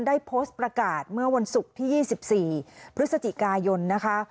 ได้โพสต์ประกาศเมื่อวันศุกร์ที่๒๔พฤศจิกายนนะคะ